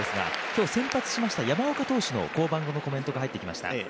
今日、先発しました山岡投手の降板後のコメントが入ってきました。